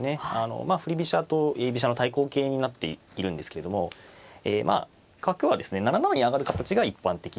まあ振り飛車と居飛車の対抗型になっているんですけれどもえまあ角はですね７七に上がる形が一般的で。